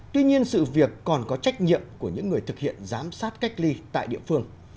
tuy nhiên sự việc còn có trách nhiệm của những người thực hiện giám sát cách ly tại địa phương